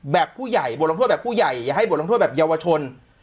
แบบผู้ใหญ่บทลงโทษแบบผู้ใหญ่อย่าให้บทลงโทษแบบเยาวชน